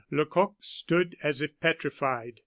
Lecoq stood as if petrified.